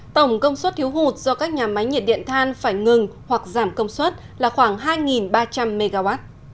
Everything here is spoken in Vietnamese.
tổng công suất thiếu hụt do các nhà máy nhiệt điện than phải ngừng hoặc giảm công suất là khoảng hai ba trăm linh mw